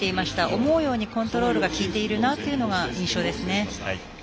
思うようにコントロールがきいているなというのが印象ですね。